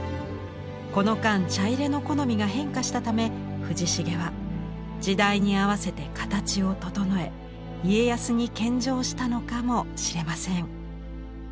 この間茶入の好みが変化したため藤重は時代に合わせて形を整え家康に献上したのかもしれません。